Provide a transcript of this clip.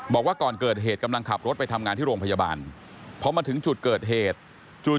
บอกว่าก่อนเกิดเหตุกำลังขับรถไปทำงานที่โรงพยาบาลพอมาถึงจุดเกิดเหตุจู่